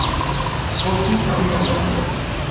Koki Ishii